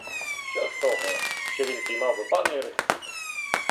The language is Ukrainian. Що з того, що він піймав би пана і розсік?